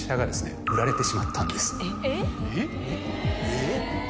えっ？